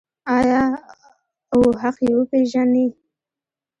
آیا او حق یې وپیژني؟